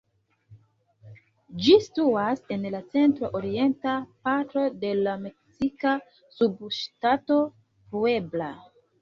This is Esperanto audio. Ĝi situas en la centro-orienta parto de la meksika subŝtato Puebla.